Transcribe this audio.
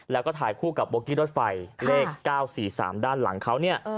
แล้วก็ถ่ายคู่กับโบกี้รถไฟเลข๙๔๓ด้านหลังเขาเนี่ย